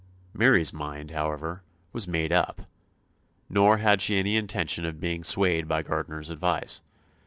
Mary's mind, however, was made up, nor had she any intention of being swayed by Gardiner's advice.